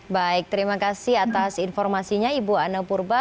baik terima kasih atas informasinya ibu ana purba